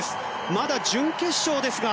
まだ準決勝ですが。